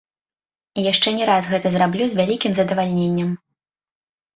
І яшчэ не раз гэта зраблю з вялікім задавальненнем.